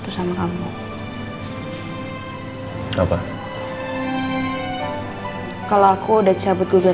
terima kasih ya